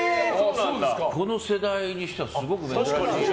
この世代にしては、すごく珍しい。